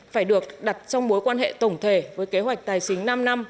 phải được đặt trong mối quan hệ tổng thể với kế hoạch tài chính năm năm